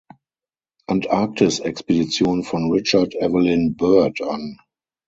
Antarktisexpedition von Richard Evelyn Byrd an.